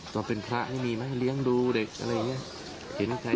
ว่าเป็นพระให้มีไหมให้เลี้ยงดูเด็กอะไรอย่างนี้